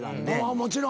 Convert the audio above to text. もちろん。